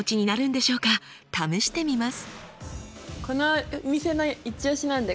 試してみます。